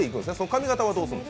髪形はどうするの？